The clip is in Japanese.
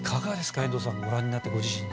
遠藤さん、ご覧になって。